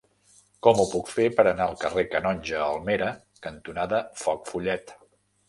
Com ho puc fer per anar al carrer Canonge Almera cantonada Foc Follet?